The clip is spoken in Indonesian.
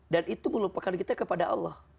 dan itu melupakan kita kepada allah